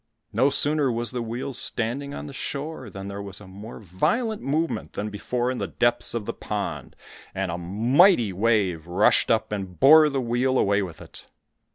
No sooner was the wheel standing on the shore than there was a more violent movement than before in the depths of the pond, and a mighty wave rushed up, and bore the wheel away with it.